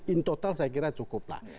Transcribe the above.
in total saya kira cukup lah